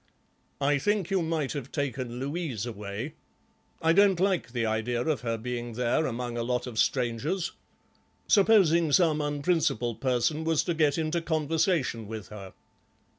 "I think you might have taken Louise away. I don't like the idea of her being there among a lot of strangers. Supposing some unprincipled person was to get into conversation with her."